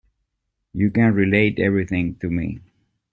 You can relate everything to me.